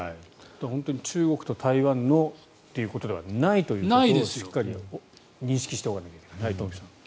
本当に中国と台湾のということではないということをしっかり認識しておかないといけない。